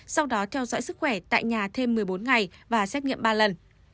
sau đó theo dõi sức khỏe tại nhà thêm một mươi bốn ngày và xét nghiệm ba lần